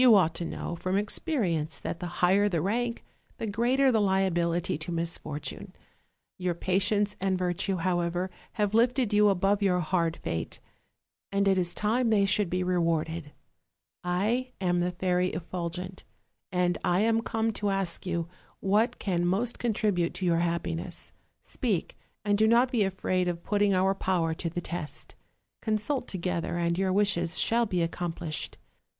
301 ought to know from experience that the higher the rank, the greater the liability to misfortune; your pa tience and virtue, however, have lifted you above your hard fate; and it is time they should be rewarded. I am the Fairy Effulgent, and I am come to ask you what can most contribute to your happiness: speak, and do not be afraid of putting our power to the test; consult together, and your wishes shall be accomplished.